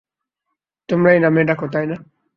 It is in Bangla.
তোমরা এই নামেই ডাকো, তাইনা?